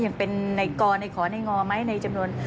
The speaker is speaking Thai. ยังเป็นในกรในขอในงอไหมในจำนวน